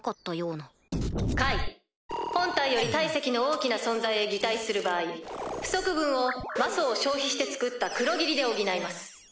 本体より体積の大きな存在へ擬態する場合不足分を魔素を消費して作った黒霧で補います。